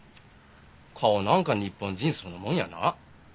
顔なんか日本人そのものやな。